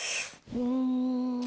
うん。